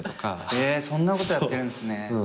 へえそんなことやってるんすね。